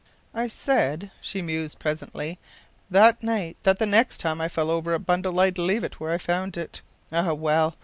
“I said,” she mused, presently, “_that_ night that the next time I fell over a bundle I’d leave it where I found it. Ah, well!